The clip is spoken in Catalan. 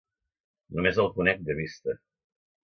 Només el conec de vista.